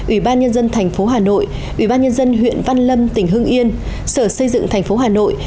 ủy ban nhân dân tp hà nội ủy ban nhân dân huyện văn lâm tỉnh hưng yên sở xây dựng tp hà nội